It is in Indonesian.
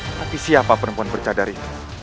tapi siapa perempuan bercadar itu